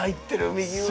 右上。